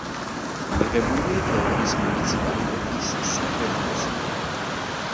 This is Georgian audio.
მიღებულია თელავის მუნიციპალიტეტის საკრებულოს მიერ.